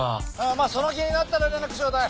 まぁその気になったら連絡ちょうだい。